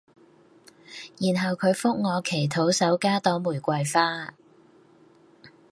然後佢覆我祈禱手加朵玫瑰花